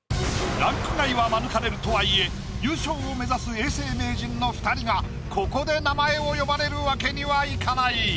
ランク外は免れるとはいえ優勝を目指す永世名人の２人がここで名前を呼ばれるわけにはいかない。